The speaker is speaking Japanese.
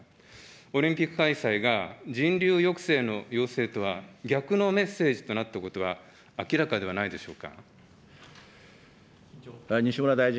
オリンピック開催が人流抑制の要請とは逆のメッセージとなったことは明らかではないでしょうか。